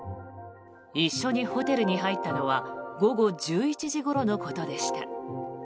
一緒にホテルに入ったのは午後１１時ごろのことでした。